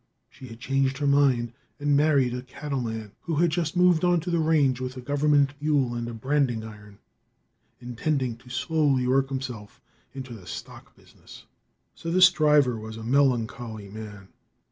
She had changed her mind, and married a cattle man, who had just moved on to the range with a government mule and a branding iron, intending to slowly work himself into the stock business. So this driver was a melancholy man.